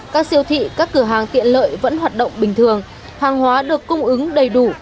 các siêu thị các cửa hàng tiện lợi vẫn hoạt động bình thường hàng hóa được cung ứng đầy đủ